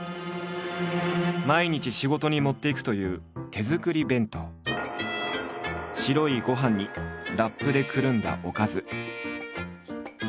毎日仕事に持っていくという白いご飯にラップでくるんだおかず。